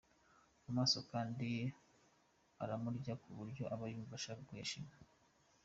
Amaso kandi aramurya ku buryo aba yumva ashaka kuyashima.